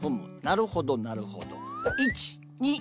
なるほどなるほど。